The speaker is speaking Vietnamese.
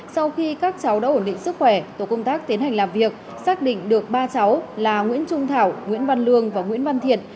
sau khi các cháu đã ổn định sức khỏe tổ công tác tiến hành làm việc xác định được ba cháu là nguyễn trung thảo nguyễn văn lương và nguyễn văn thiện